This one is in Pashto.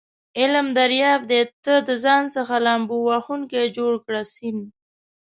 علم دریاب دی ته دځان څخه لامبو وهونکی جوړ کړه س